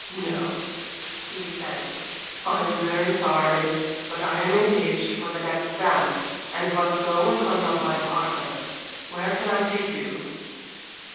"No," he said. "I am very sorry, but I am engaged for the next dance, and must go and hunt up my partner. Where can I take you?"